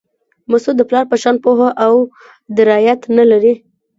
مسعود د پلار په شان پوهه او درایت نه درلود.